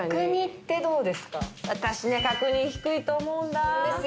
私ね角煮低いと思うんだ。